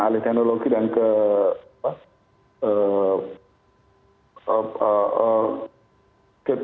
alih teknologi dan ke